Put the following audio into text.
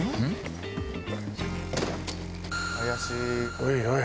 おいおい